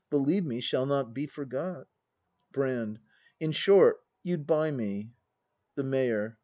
Believe me, shall not be forgot. Brand. In short, you'd buy me. The Mayor.